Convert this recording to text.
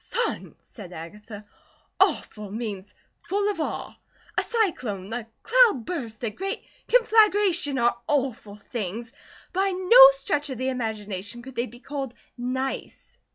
"Son," said Agatha, "'awful,' means full of awe. A cyclone, a cloudburst, a great conflagration are awful things. By no stretch of the imagination could they be called nice."